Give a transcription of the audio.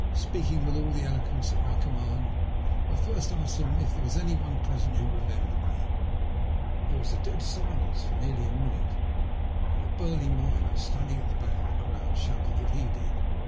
Speaking with all the eloquence at my command, I first asked them if there was any one present who remembered me. There was a dead silence for nearly a minute, then a burly miner MY CHANCE IN LIFE. 27 standing at the back of the crowd shouted that he did.